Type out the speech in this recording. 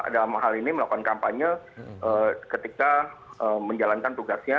dalam hal ini melakukan kampanye ketika menjalankan tugasnya